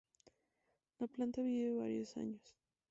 La planta vive varios años.